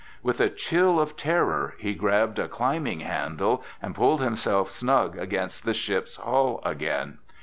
With a chill of terror he grabbed a climbing handle and pulled himself snug against the ship's hull again.